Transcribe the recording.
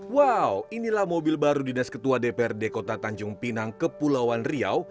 wow inilah mobil baru dinas ketua dprd kota tanjung pinang kepulauan riau